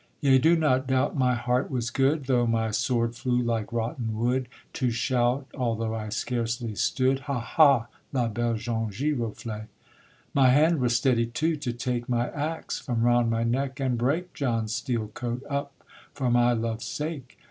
_ Yea, do not doubt my heart was good, Though my sword flew like rotten wood, To shout, although I scarcely stood, Hah! hah! la belle jaune giroflée. My hand was steady too, to take My axe from round my neck, and break John's steel coat up for my love's sake.